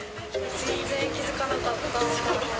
全然気付かなかった。